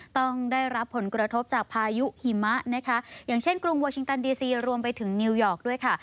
ต้องได้รับผลกระทบจากพายุหิมะนะคะอย่างเช่นกรุงวัลชิงตันดีซีรวมไปถึงนิวยอร์กด้วยค่ะ